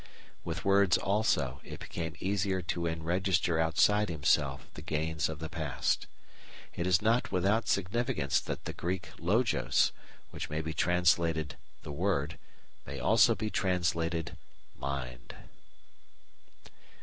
With words, also, it became easier to enregister outside himself the gains of the past. It is not without significance that the Greek Logos, which may be translated "the word," may also be translated Mind.